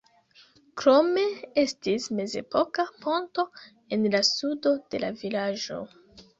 Krome estis mezepoka ponto en la sudo de la vilaĝo.